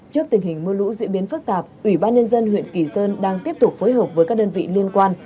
trước tình hình mưa lũ diễn biến phức tạp ủy ban nhân dân huyện kỳ sơn đang tiếp tục phối hợp với các đơn vị liên quan